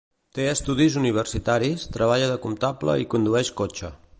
Té estudis universitaris, treballa de comptable i condueix cotxe.